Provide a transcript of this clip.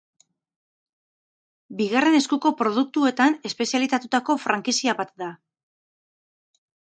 Bigarren eskuko produktuetan espezializatutako frankizia bat da.